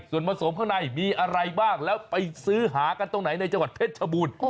ส่วนผสมข้างในมีอะไรบ้างแล้วไปซื้อหากันตรงไหนในจังหวัดเพชรชบูรณ์